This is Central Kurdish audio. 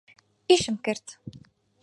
ئیشم کرد.